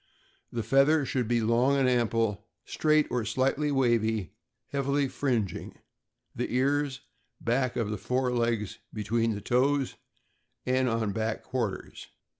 The feather should be long and ample, straight or very slightly wavy, heavily fringing the ears, back of fore legs, between the toes, and on back quarters.